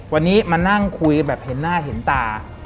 วันนี้มานั่งคุยแบบเห็นหน้าเห็นตา